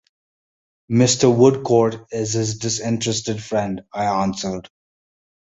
"Mr. Woodcourt is his disinterested friend," I answered.